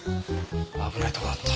危ないところだった。